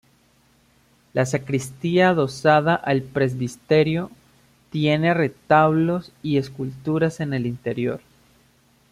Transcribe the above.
La sacristía adosada al presbiterio tiene retablos y esculturas en el interior.